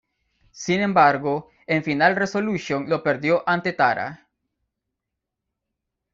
Sin embargo, en Final Resolution lo perdió ante Tara.